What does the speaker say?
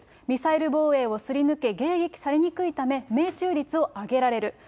ミサイル防衛をすり抜け、迎撃されにくいため、命中率を上げられる。